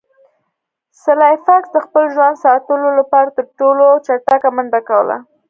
سلای فاکس د خپل ژوند ساتلو لپاره تر ټولو چټکه منډه کوله